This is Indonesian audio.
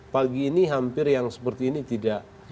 pagi ini hampir yang seperti ini tidak